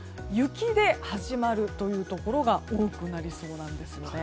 雪で始まるというところが多くなりそうなんです。